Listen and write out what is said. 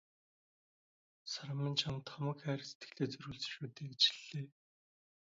"Саран минь чамд би хамаг хайр сэтгэлээ зориулсан шүү дээ" гэж хэллээ.